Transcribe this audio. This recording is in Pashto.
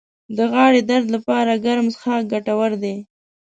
د غاړې درد لپاره ګرم څښاک ګټور دی